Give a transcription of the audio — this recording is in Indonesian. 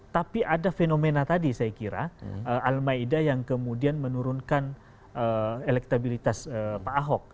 tapi ada fenomena tadi saya kira al maida yang kemudian menurunkan elektabilitas pak ahok